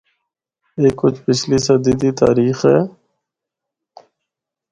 اے کجھ پچھلی صدی دی تاریخ اے۔